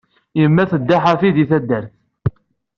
Yemma tedda ḥafi di taddart.